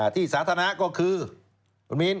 ที่สาธารณะก็คือคุณมิน